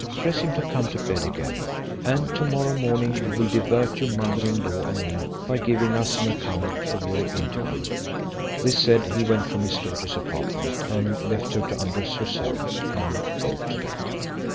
Press him to come to bed again; and to morrow morning you will divert your mother in law and me, by giving us an account of your interview." This said, he went from his daughter's apartment, and left her to undress herself and go to bed.